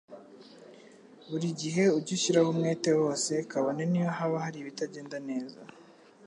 Buri gihe ujye ushyiraho umwete wose, kabone niyo haba hari ibitagenda neza.”